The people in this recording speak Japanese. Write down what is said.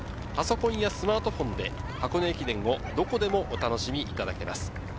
パソコンやスマートフォンで箱根駅伝をどこでもお楽しみいただけます。